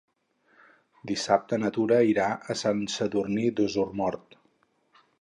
Dissabte na Tura irà a Sant Sadurní d'Osormort.